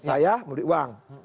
saya memberi uang